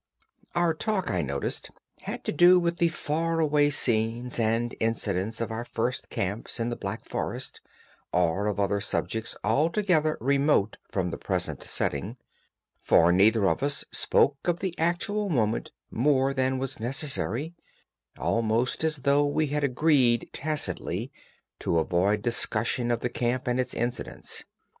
Our talk, I noticed, had to do with the faraway scenes and incidents of our first camps in the Black Forest, or of other subjects altogether remote from the present setting, for neither of us spoke of the actual moment more than was necessary—almost as though we had agreed tacitly to avoid discussion of the camp and its incidents.